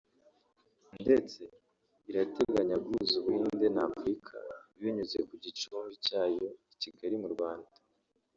ndetse irateganya guhuza u Buhinde na Afurika binyuze ku gicumbi cyayo i Kigali mu Rwanda